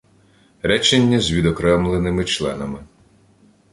Речення з відокремленими членами